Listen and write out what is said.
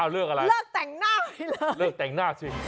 เลิกแต่งหน้าไปเลย